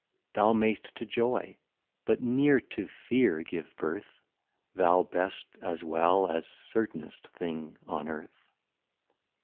Thou mayst to Joy, but ne'er to fear give Birth, Thou Best, as well as Certain'st thing on Earth.